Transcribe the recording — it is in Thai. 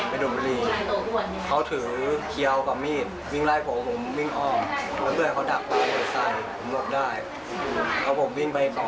มเพื่อสายโก้กใหม่